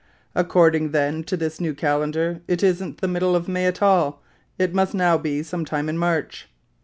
"According, then, to this new calendar, it isn't the middle of May at all; it must now be some time in March."